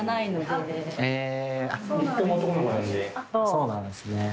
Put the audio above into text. そうなんですね。